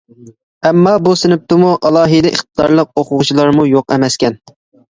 ئەمما بۇ سىنىپتىمۇ «ئالاھىدە ئىقتىدار» لىق ئوقۇغۇچىلارمۇ يوق ئەمەسكەن.